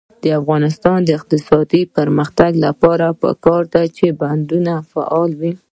د افغانستان د اقتصادي پرمختګ لپاره پکار ده چې بندرونه فعال وي.